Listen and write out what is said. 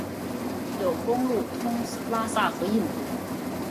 有公路通拉萨和印度。